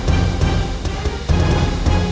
saya mau ke rumah